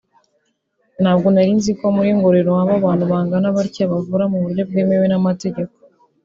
ntabwo narinzi ko muri Ngororero haba abantu bangana batya bavura mu buryo bwemewe n’amategeko